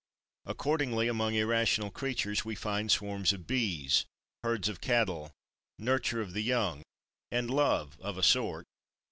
Accordingly, among irrational creatures we find swarms of bees, herds of cattle, nurture of the young, and love, of a sort.